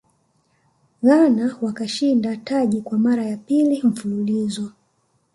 ghana wakashinda taji kwa mara ya pili mfululizo